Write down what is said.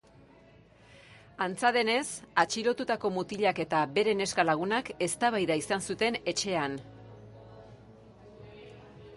Antza denez, atxilotutako mutilak eta bere neska lagunak eztabaida izan zuten etxean.